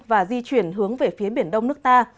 và di chuyển hướng về phía biển đông nước ta